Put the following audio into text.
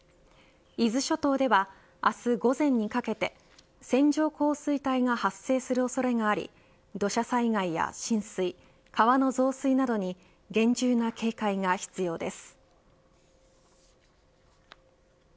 伊豆諸島では明日午前にかけて線状降水帯が発生する恐れがあり土砂災害や浸水川の増水などに厳重な警戒が必要です。